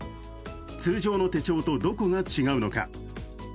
通常の手帳とどこが違うのか。